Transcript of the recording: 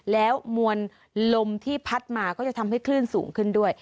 แล้วมวลลมที่พัดมาก็จะทำให้คลื่นสูงขึ้นด้วย